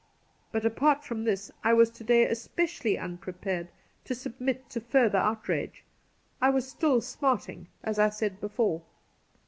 But apart from this, I was to day especially unprepared to submit to further outrage. I was still smarting, as I said before.